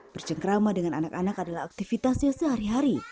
bercengkrama dengan anak anak adalah aktivitasnya sehari hari